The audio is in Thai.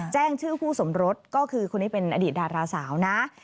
แจ้งชื่อคู่สมรสก็คือคนนี้เป็นอดีตดาราสาวนะ